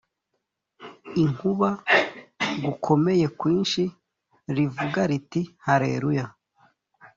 inkuba gukomeye kwinshi rivuga riti haleluya